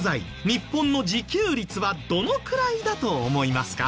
日本の自給率はどのくらいだと思いますか？